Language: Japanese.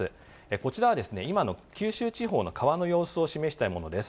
こちらは、今の九州地方の川の様子を示しているものです。